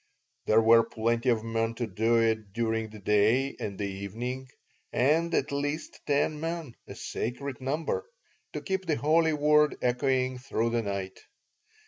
There were plenty of men to do it during the day and the evening, and at least ten men (a sacred number) to keep the holy word echoing throughout the night.